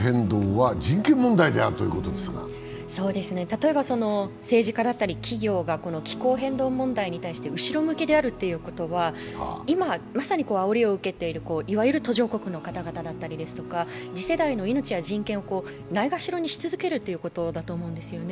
例えば政治家だったり企業が気候変動問題に対して後ろ向きであるということは今まさにあおりを受けているいわゆる途上国の方々だったりですとか次世代の命や人権をないがしろにし続けるってことだと思うんです。